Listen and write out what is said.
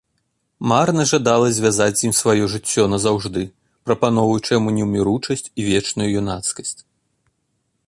Марна жадала звязаць з ім сваё жыццё назаўжды, прапаноўваючы яму неўміручасць і вечную юнацкасць.